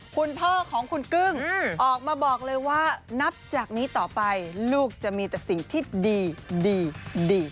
คุณพ่อของคุณกึ้งออกมาบอกเลยว่านับจากนี้ต่อไปลูกจะมีแต่สิ่งที่ดีดี